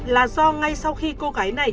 là do ngay sau khi cô gái này